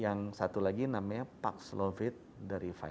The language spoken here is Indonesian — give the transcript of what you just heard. yang satu lagi namanya paxlovid dari lima